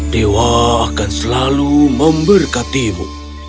dewa akan selalu memberkatimu